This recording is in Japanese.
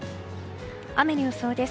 雨の予想です。